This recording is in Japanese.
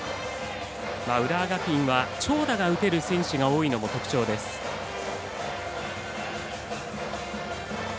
浦和学院は長打が打てる選手が多いのも特徴です。